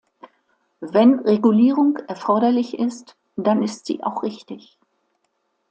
Wenn Regulierung erforderlich ist, dann ist sie auch richtig.